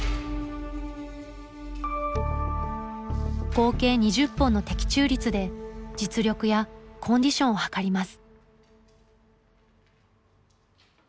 合計２０本の的中率で実力やコンディションを測ります。